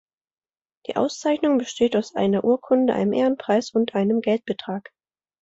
Die Auszeichnung besteht aus einer Urkunde, einem Ehrenpreis und einem Geldbetrag.